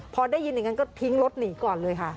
พอได้ยินอย่างนั้นก็ทิ้งรถหนีก่อนเลยค่ะ